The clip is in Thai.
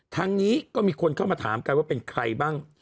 ทั้งนี้ก็มีคนเข้ามาถามกันว่าเป็นใครบ้าง